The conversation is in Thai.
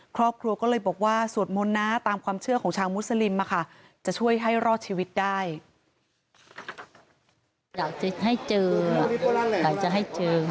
ครอบครัวก็เลยบอกว่าสวดมนต์นะตามความเชื่อของชาวมุสลิมจะช่วยให้รอดชีวิตได้